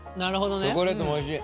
チョコレートもおいしい。